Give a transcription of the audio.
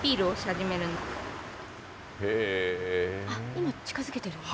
今、近づけてる。